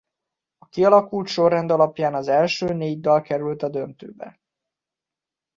A kialakult sorrend alapján az első négy dal kerül a döntőbe.